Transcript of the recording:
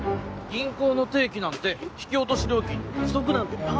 銀行の定期なんて引き落とし料金で利息なんてパアでしょ。